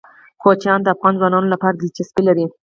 کوچیان د افغان ځوانانو لپاره دلچسپي لري.